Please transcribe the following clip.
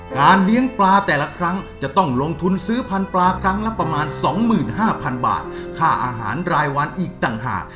เลี้ยงปลาแต่ละครั้งจะต้องลงทุนซื้อพันธุปลาครั้งละประมาณ๒๕๐๐๐บาทค่าอาหารรายวันอีกต่างหาก